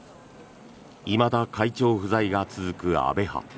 いまだ会長不在が続く安倍派。